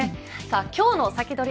今日のサキドリ！